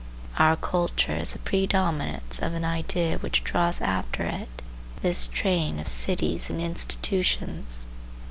Our culture is the predominance of an idea which draws after it this train of cities and institutions.